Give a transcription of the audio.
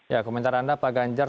ya komentar anda pak ganjar